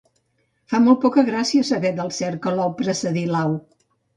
Fa molt poca gràcia saber del cert que l'ou precedí l'au.